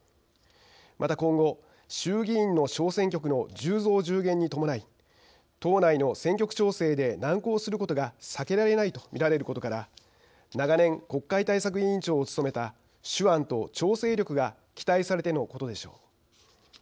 また、今後衆議院の小選挙区の「１０増１０減」に伴い党内の選挙区調整で難航することが避けられないと見られることから長年、国会対策委員長を務めた手腕と調整力が期待されてのことでしょう。